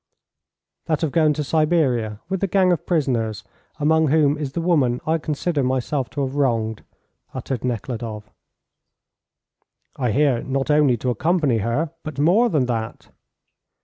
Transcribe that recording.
"That of going to Siberia with the gang of prisoners, among whom is the woman I consider myself to have wronged," uttered Nekhludoff. "I hear not only to accompany her, but more than that."